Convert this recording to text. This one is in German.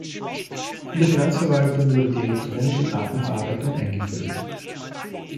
In der Finanzverwaltung wurde die Elektronische Datenverarbeitung eingeführt.